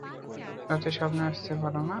রাতে স্বপ্নে আসতে পারো না?